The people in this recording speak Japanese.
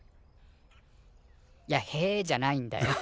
いや「へえ」じゃないんだよ。